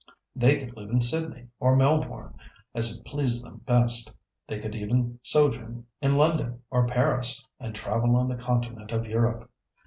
They could live in Sydney or Melbourne, as it pleased them best. They could even sojourn in London or Paris, and travel on the continent of Europe.